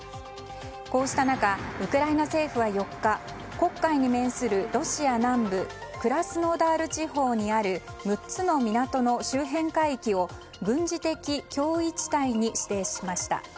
こうした中、ウクライナ政府は４日黒海に面する、ロシア南部クラスノダール地方にある６つの港の周辺海域を軍事的脅威地帯に指定しました。